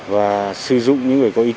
và sử dụng những người có ý tí